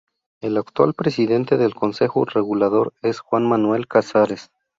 El actual presidente del consejo regulador es Juan Manuel Casares.